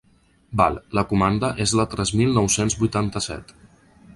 Val, la comanda és la tres mil nou-cents vuitanta-set.